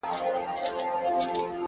زما تصـور كي دي تصـوير ويده دی،